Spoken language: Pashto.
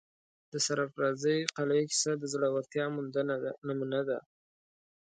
د سرافرازۍ قلعې کیسه د زړه ورتیا نمونه ده.